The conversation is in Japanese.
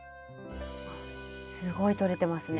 すごいとれてますね。